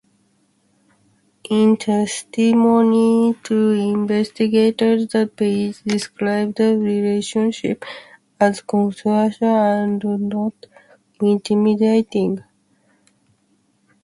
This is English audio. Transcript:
In testimony to investigators, the page described the relationship as consensual and not intimidating.